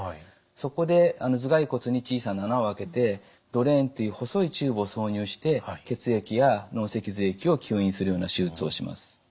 そこで頭蓋骨に小さな穴をあけてドレーンという細いチューブを挿入して血液や脳脊髄液を吸引するような手術をします。